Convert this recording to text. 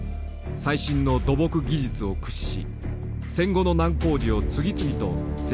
最新の土木技術を駆使し戦後の難工事を次々と成功させてきた。